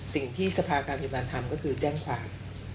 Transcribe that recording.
สิ่งที่สภาการพยาบาลทำก็คือแจ้งความ